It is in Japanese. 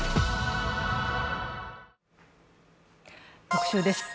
特集です。